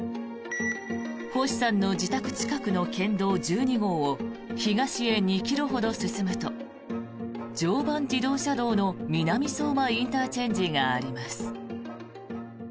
星さんの自宅近くの県道１２号を東へ２ｋｍほど進むと常磐自動車道の南相馬ＩＣがあります。